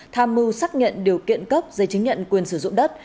tham mưu xác nhận điều kiện cấp giấy chứng nhận quyền sử dụng đất